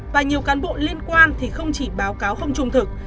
và nhiều cán bộ liên quan thì không chỉ báo cáo không trung thực